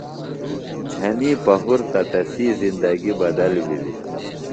جھنیۡ پہُرتہ تسی زندگی بدل بِھلیۡ۔